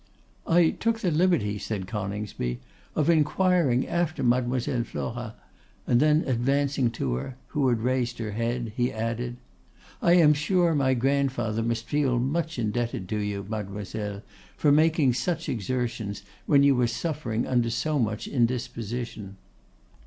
'I took the liberty,' said Coningsby, 'of inquiring after Mlle. Flora;' and then advancing to her, who had raised her head, he added, 'I am sure my grandfather must feel much indebted to you, Mademoiselle, for making such exertions when you were suffering under so much indisposition.